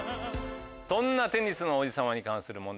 そんな『テニスの王子様』に関する問題